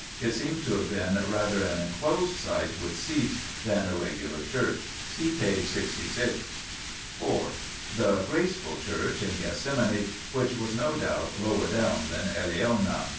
It seems to have been rather an enclosed site with seats than a regular church (see p. 66). 4. The "graceful" Church in Gethsemane, which was no doubt lower down than Eleona (p.